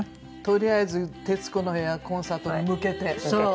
とりあえず「徹子の部屋」コンサートに向けて万全の。